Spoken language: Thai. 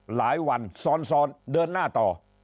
หลายวันซ้อนเดินหน้าต่อ